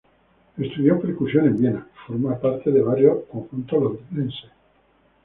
Estudió percusión en Viena, forma parte de varios conjuntos londinenses.